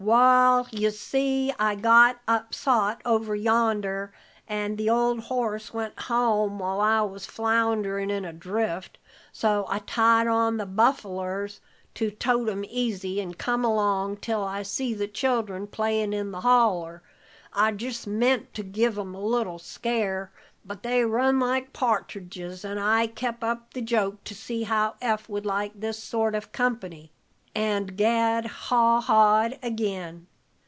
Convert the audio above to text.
"Wal, you see I got upsot over yonder, and the old horse went home while I was floundering in a drift, so I tied on the buffalers to tote 'em easy, and come along till I see the children playin' in the holler. I jest meant to give 'em a little scare, but they run like partridges, and I kep' up the joke to see how Eph would like this sort of company," and Gad haw hawed again.